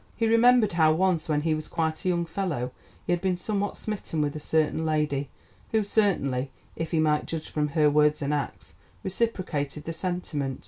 He remembered how once, when he was quite a young fellow, he had been somewhat smitten with a certain lady, who certainly, if he might judge from her words and acts, reciprocated the sentiment.